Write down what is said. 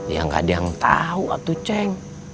ya gak ada yang tahu waktu ceng